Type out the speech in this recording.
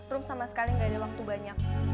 rum sama sekali nggak ada waktu banyak